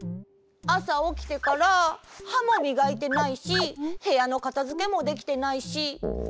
あさおきてからはもみがいてないしへやのかたづけもできてないし。